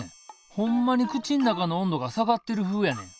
ほんまに口ん中の温度が下がってるふうやねん。